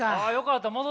あよかった